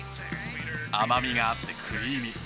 甘みがあってクリーミー。